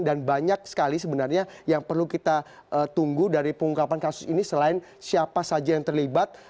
dan banyak sekali sebenarnya yang perlu kita tunggu dari pengungkapan kasus ini selain siapa saja yang terlibat